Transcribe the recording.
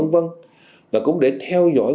và cũng để theo dõi